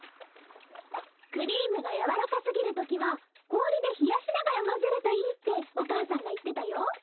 クリームが柔らかすぎるときは氷で冷やしながら混ぜるといいってお母さんが言ってたよ。